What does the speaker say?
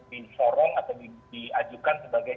disorong atau diajukan sebagai